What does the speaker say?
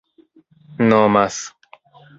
nomas